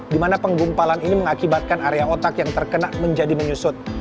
di mana penggumpalan ini mengakibatkan area otak yang terkena menjadi menyusut